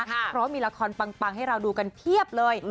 เพราะมีละครปังให้เราดูกันเพียบเลย